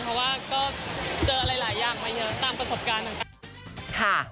เพราะว่าก็เจออะไรหลายอย่างมาเยอะตามประสบการณ์ต่างค่ะ